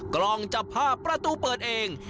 กล้องจับภาพประตูเปิดเอง